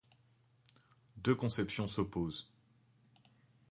Deux conceptions s'opposent.